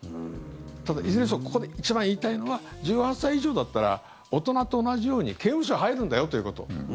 ただ、いずれにしてもここで一番言いたいのは１８歳以上だったら大人と同じように刑務所に入るんだよということ。